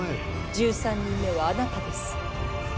１３人目はあなたです。